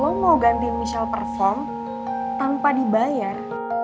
lo mau gantiin michel perform tanpa dibayar